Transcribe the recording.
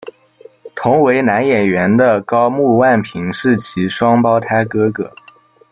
同为男演员的高木万平是其双胞胎哥哥。